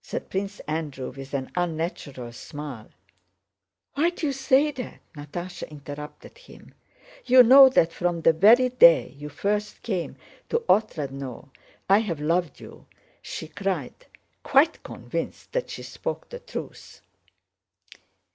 said Prince Andrew with an unnatural smile. "Why do you say that?" Natásha interrupted him. "You know that from the very day you first came to Otrádnoe I have loved you," she cried, quite convinced that she spoke the truth.